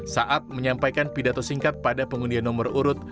saat menyampaikan pidato singkat pada pengundian nomor urut